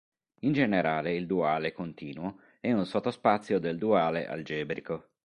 In generale il duale continuo è un sottospazio del duale algebrico.